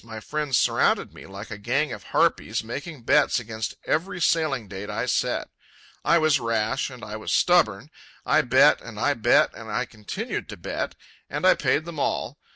My friends surrounded me like a gang of harpies, making bets against every sailing date I set. I was rash, and I was stubborn. I bet, and I bet, and I continued to bet; and I paid them all.